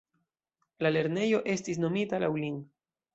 La lernejo estis nomita laŭ lin.